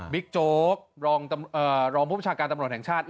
โจ๊กรองผู้ประชาการตำรวจแห่งชาติ